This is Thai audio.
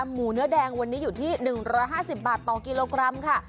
หมูเนื้อแดงวันนี้อยู่ที่๑๕๐บาทต่อกิโลกรัมค่ะ